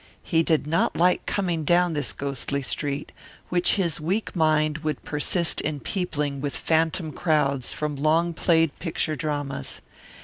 He did not like coming down this ghostly street, which his weak mind would persist in peopling with phantom crowds from long played picture dramas.